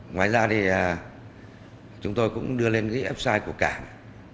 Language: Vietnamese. ngoài ra thì chúng tôi cũng đưa lên cái website của cảng